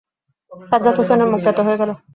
সাজ্জাদ হোসেনের মুখ তেতো হয়ে গেল।